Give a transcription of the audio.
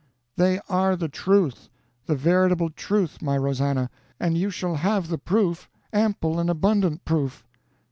"They are the truth, the veritable truth, my Rosannah, and you shall have the proof, ample and abundant proof!"